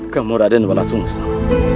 kamu raden walasungsam